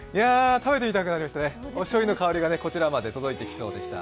食べてみたくなりましたね、おしょうゆの香りがこちらまで届いてきそうでした。